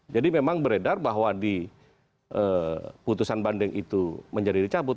jadi memang beredar bahwa di putusan banding itu menjadi dicabut